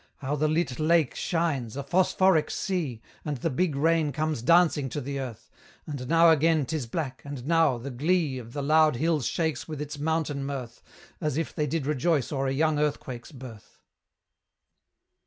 How the lit lake shines, a phosphoric sea, And the big rain comes dancing to the earth! And now again 'tis black, and now, the glee Of the loud hills shakes with its mountain mirth, As if they did rejoice o'er a young earthquake's birth.